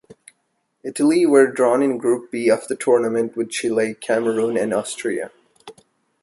Italy were drawn in Group B of the tournament with Chile, Cameroon and Austria.